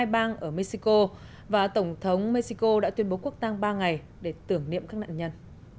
bang ở mexico và tổng thống mexico đã tuyên bố quốc tăng ba ngày để tưởng niệm các nạn nhân